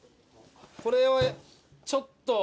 これはちょっと。